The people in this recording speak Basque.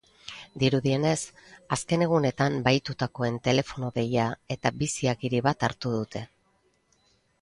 Dirudienez, azken egunetan bahitutakoen telefono deia eta bizi-agiri bat hartu dute.